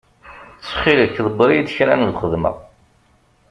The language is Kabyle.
Ttxil-k ḍebbeṛ-iyi-d kra n lxedma.